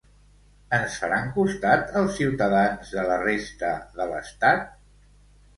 Ens faran costat els ciutadans de la resta de l’estat?